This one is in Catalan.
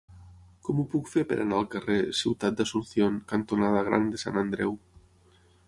Com ho puc fer per anar al carrer Ciutat d'Asunción cantonada Gran de Sant Andreu?